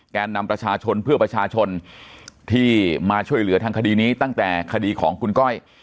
นำประชาชนเพื่อประชาชนที่มาช่วยเหลือทางคดีนี้ตั้งแต่คดีของคุณก้อย